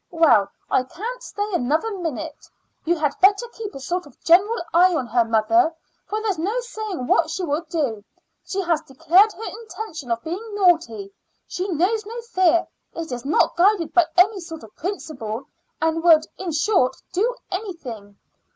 Well, I can't stay another minute. You had better keep a sort of general eye on her, mother, for there's no saying what she will do. She has declared her intention of being naughty. She knows no fear, is not guided by any sort of principle, and would, in short, do anything."